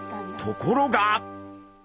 ところが！